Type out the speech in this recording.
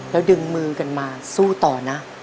แล้วดึงมือกันมาสู้ต่อนะ